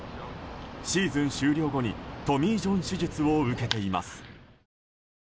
シーズン終了後にトミー・ジョン手術を受けています。